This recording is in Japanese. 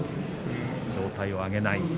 上体を上げない。